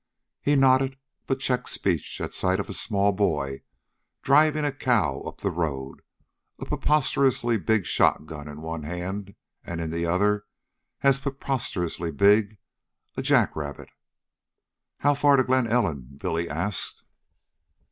He nodded, but checked speech at sight of a small boy driving a cow up the road, a preposterously big shotgun in one hand, in the other as preposterously big a jackrabbit. "How far to Glen Ellen?" Billy asked.